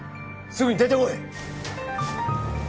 すぐに出てこい！